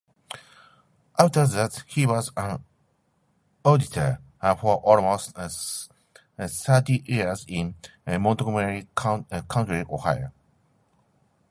After that, he was an auditor for almost thirty years in Montgomery County, Ohio.